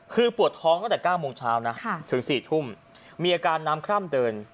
คือปวดท้องตั้งแต่๙โมงเช้านะถึง๔ทุ่มมีอาการน้ำคร่ำเดิน